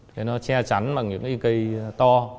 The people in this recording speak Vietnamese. thì nó che chắn bằng những cái cây to